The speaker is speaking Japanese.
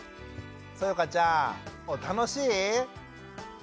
そよかちゃん楽しい？